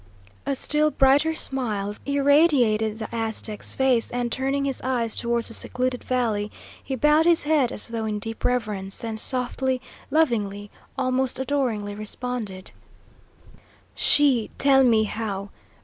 A still brighter smile irradiated the Aztec's face, and turning his eyes towards the secluded valley, he bowed his head as though in deep reverence, then softly, lovingly, almost adoringly, responded: "SHE tell me how.